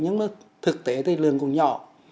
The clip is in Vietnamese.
nhưng mà thực tế thì lường cũng nhỏ